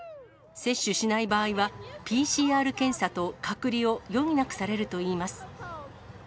接種しない場合は、ＰＣＲ検査と隔離を余儀なくされるといいます。